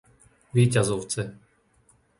Víťazovce